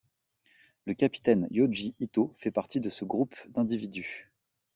Le capitaine Yōji Itō fait partie de ce groupe d'individus.